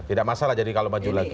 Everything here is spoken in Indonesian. tidak masalah jadi kalau maju lagi